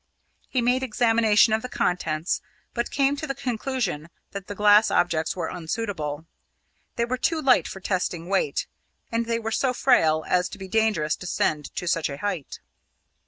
He made examination of the contents, but came to the conclusion that the glass objects were unsuitable. They were too light for testing weight, and they were so frail as to be dangerous to send to such a height.